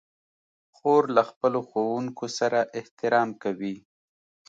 خور له خپلو ښوونکو سره احترام کوي.